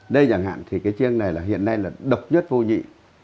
đây chẳng hạn thì cái chiêng này là hiện nay là độc nhất vô nhị